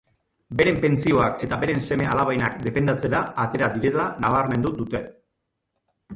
Beren pentsioak eta beren seme-alabenak defendatzera atera direla nabarmendu dute.